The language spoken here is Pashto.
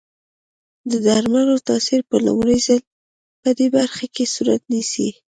د درملو تاثیر په لومړي ځل پدې برخه کې صورت نیسي.